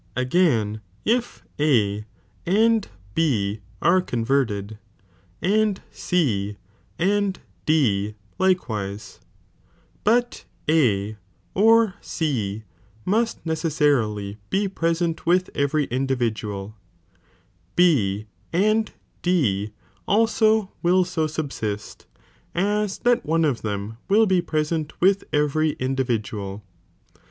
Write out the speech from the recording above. Again, if A and B are converted, and C Borbira. and D likewise ; but A or C must neceaaarilj I)e preaent with every individual ; B and D also will so subsist, as that one of them will be present with every individual.